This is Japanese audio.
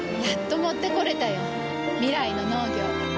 やっと持ってこれたよ。未来の農業。